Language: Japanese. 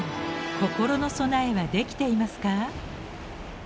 心の備えはできていますか？